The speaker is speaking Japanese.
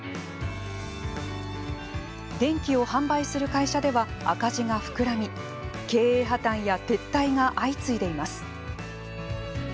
電気を販売する会社では赤字が膨らみ、経営破綻や撤退が相次いでいます。